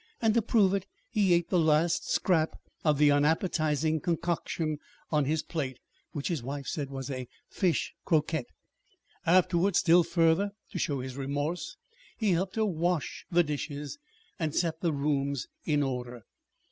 And, to prove it, he ate the last scrap of the unappetizing concoction on his plate, which his wife said was a fish croquette. Afterwards still further to show his remorse, he helped her wash the dishes and set the rooms in order.